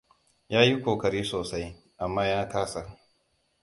Ya yi kokari sosai, amma ya kasa.